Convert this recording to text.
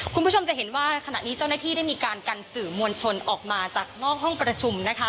คุณผู้ชมจะเห็นว่าขณะนี้เจ้าหน้าที่ได้มีการกันสื่อมวลชนออกมาจากนอกห้องประชุมนะคะ